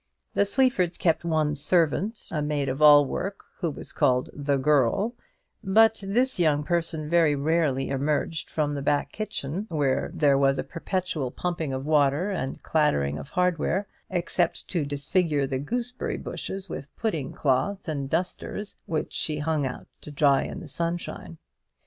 The Sleafords kept one servant, a maid of all work, who was called the girl; but this young person very rarely emerged from the back kitchen, where there was a perpetual pumping of water and clattering of hardware, except to disfigure the gooseberry bushes with pudding cloths and dusters, which she hung out to dry in the sunshine.